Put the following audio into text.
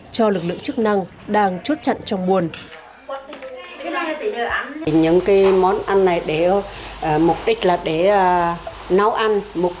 cho lực lượng chức năng đang chốt chặn trong buồn